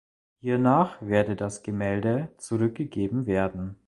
Hiernach werde das Gemälde zurückgeben werden.